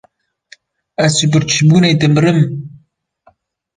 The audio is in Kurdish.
Ez ji birçîbûnê dimirim!